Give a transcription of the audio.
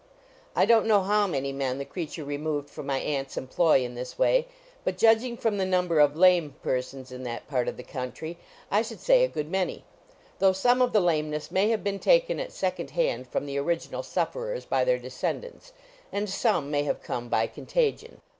I don't know how many men the creature removed from my aunt's employ in this way, but judging from the number of lame persons in that part of the country, I should say a good many; though some of the lameness may have been taken at second hand from the original sufferers by their descendants, and some may have come by contagion.